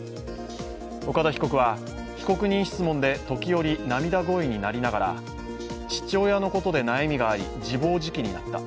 岡田被告は被告人質問で時折涙声になりながら父親のことで悩みがあり自暴自棄になった。